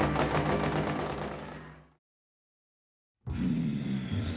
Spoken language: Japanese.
うん。